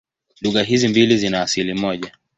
Lugha hizi mbili zina asili moja.